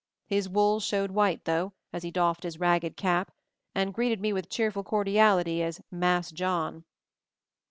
His wool showed white though, as he doffed his ragged cap and greeted me with cheerful cordiality as Mass' John.